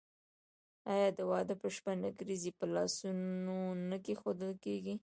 آیا د واده په شپه نکریزې په لاسونو نه کیښودل کیږي؟